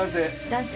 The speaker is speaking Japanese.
男性。